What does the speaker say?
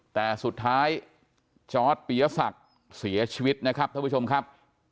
แต่สุดท้ายจอร์ดปียศักดิ์เสียชีวิตนะครับท่านผู้ชมครับ